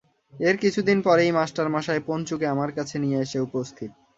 এর কিছুদিন পরেই মাস্টারমশায় পঞ্চুকে আমার কাছে নিয়ে এসে উপস্থিত।